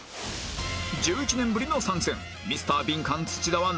１１年ぶりの参戦